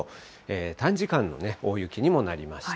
短時間の大雪にもなりました。